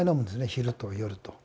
昼と夜と。